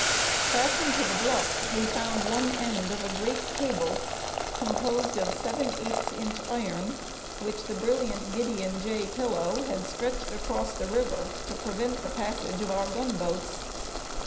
] Fastened to the bluff, we found one end of a great chain cable, composed of seven eighths inch iron, which the brilliant Gideon J. Pillow had stretched across the river, to prevent the passage of our gunboats!